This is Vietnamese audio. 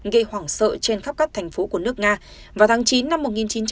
gây hoảng sợ trên khắp các thành phố của nước nga vào tháng chín năm một nghìn chín trăm bảy mươi